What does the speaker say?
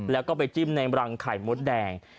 แล้วก็ไปจิ้มในรังไข่มดแดง